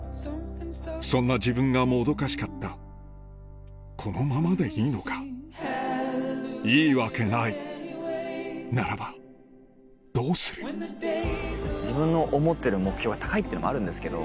そんな自分がもどかしかったこのままでいいのかいいわけないならばどうする自分の思ってる目標が高いっていうのもあるんですけど。